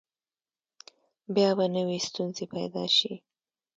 بیا به نوي ستونزې پیدا شي.